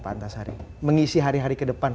pak antasari mengisi hari hari ke depan